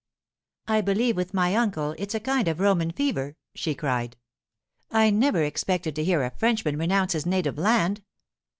'I believe, with my uncle, it's a kind of Roman fever!' she cried. 'I never expected to hear a Frenchman renounce his native land.